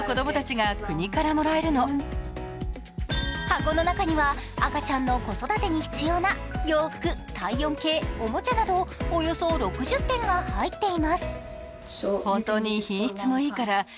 箱の中には赤ちゃんの子育てに必要な洋服、体温計、おもちゃなどおよそ６０点が入っています。